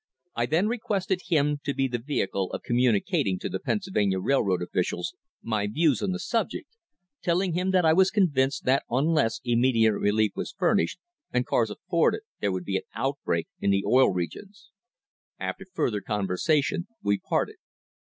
I then requested him to be the vehicle of com municating to the Pennsylvania Railroad officials my views on the subject, telling him that I was convinced that unless immediate relief was furnished and cars afforded there would be an outbreak in the Oil Regions. After further conversation we parted.